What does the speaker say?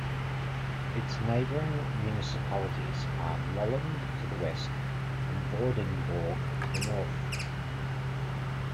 Its neighboring municipalities are Lolland to the west and Vordingborg to the north.